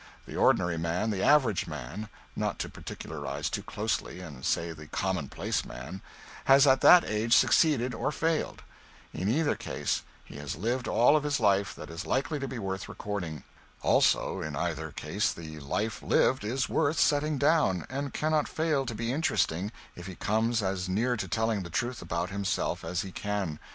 The ordinary man, the average man, not to particularize too closely and say the commonplace man, has at that age succeeded or failed; in either case he has lived all of his life that is likely to be worth recording; also in either case the life lived is worth setting down, and cannot fail to be interesting if he comes as near to telling the truth about himself as he can.